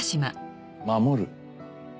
守る？